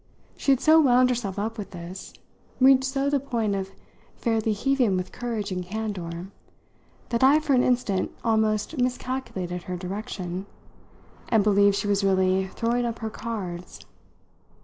She had so wound herself up with this, reached so the point of fairly heaving with courage and candour, that I for an instant almost miscalculated her direction and believed she was really throwing up her cards.